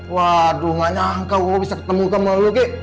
waduh gak nyangka gue bisa ketemu kamu lo gek